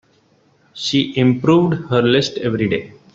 She improved her list every day.